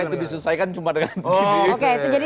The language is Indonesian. gimana itu diselesaikan cuma dengan gini